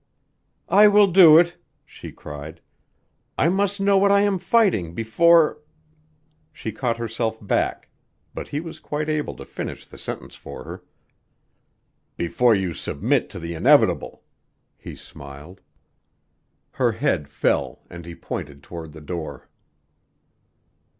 "I will do it," she cried. "I must know what I am fighting before " She caught herself back, but he was quite able to finish the sentence for her. "Before you submit to the inevitable," he smiled. Her head fell and he pointed toward the door.